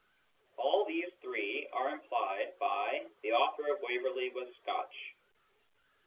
All these three are implied by " the author of Waverley was Scotch."